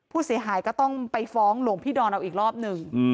ผู้เสียหายก็ต้องไปฟ้องหลวงพี่ดอนเอาอีกรอบหนึ่ง